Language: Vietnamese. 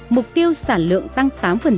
mục tiêu sản lượng tăng tám